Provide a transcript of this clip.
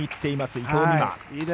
伊藤美誠。